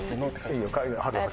いいよ。